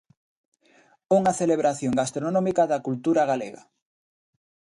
Unha celebración gastronómica da cultura galega.